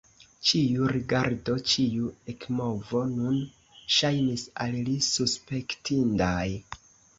Ĉiu rigardo, ĉiu ekmovo nun ŝajnis al li suspektindaj.